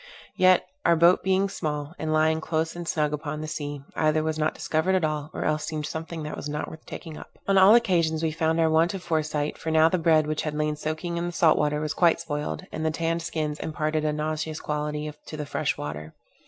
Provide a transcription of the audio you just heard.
Yet, out boat being small, and lying close and snug upon the sea, either was not discovered at all, or else seemed something that was not worth taking up. On all occasions we found our want of foresight, for now the bread which had lain soaking in the salt water, was quite spoiled, and the tanned skins imparted a nauseous quality to the fresh water.